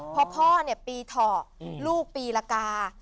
เพราะพ่อเนี่ยปีเทาะลูกปีละกา